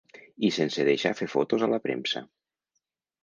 I sense deixar fer fotos a la premsa.